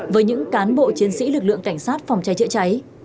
với những cán bộ chiến sĩ lực lượng cảnh sát phòng cháy chữa cháy